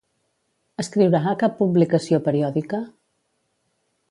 Escriurà a cap publicació periòdica?